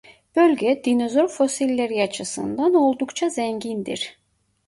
Bölge dinozor fosilleri açısından oldukça zengindir.